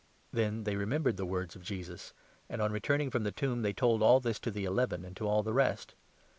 Then they remembered the words of Jesus, and, on returning 8, 9 from the tomb, they told all this to the Eleven and to all the rest.